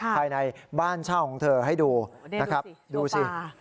ภายในบ้านเช่าของเธอให้ดูนะครับดูสิ